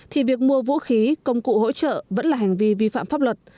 thì việc mua vũ khí công cụ hỗ trợ vẫn là hành vi vi phạm pháp luật